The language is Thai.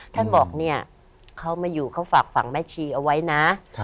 ท่านบอกเนี่ยเขามาอยู่เขาฝากฝั่งแม่ชีเอาไว้นะ